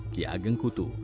ki ageng kutu